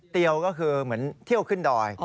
เตียวก็คือเหมือนเที่ยวขึ้นดอย